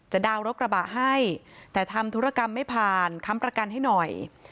ดาวน์รถกระบะให้แต่ทำธุรกรรมไม่ผ่านค้ำประกันให้หน่อย